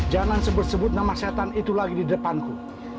jangan sebersebut nama setan itu lagi di depanku